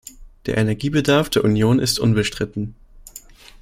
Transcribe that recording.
Der Energiebedarf der Union ist unbestritten.